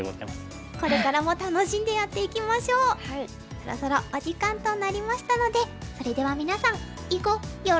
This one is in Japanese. そろそろお時間となりましたのでそれでは皆さんいごよろしく！さようなら！